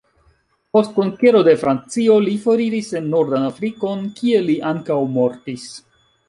Post konkero de Francio li foriris en nordan Afrikon, kie li ankaŭ mortis.